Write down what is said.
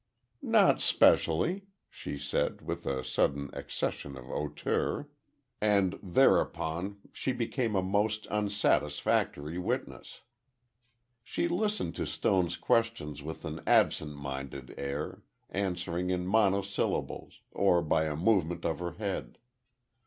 "Not specially," she said, with a sudden accession of hauteur. And thereupon, she became a most unsatisfactory witness. She listened to Stone's questions with an absent minded air, answered in monosyllables, or by a movement of her head.